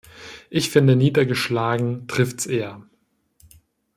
Ich finde niedergeschlagen trifft’s eher.